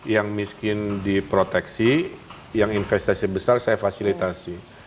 yang miskin diproteksi yang investasi besar saya fasilitasi